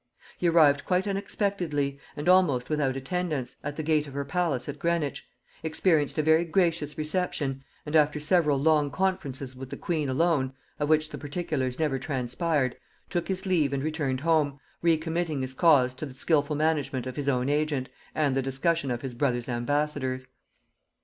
He arrived quite unexpectedly, and almost without attendants, at the gate of her palace at Greenwich; experienced a very gracious reception; and after several long conferences with the queen alone, of which the particulars never transpired, took his leave and returned home, re committing his cause to the skilful management of his own agent, and the discussion of his brother's ambassadors.